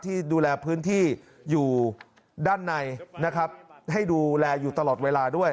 ที่ดูแลพื้นที่อยู่ด้านในนะครับให้ดูแลอยู่ตลอดเวลาด้วย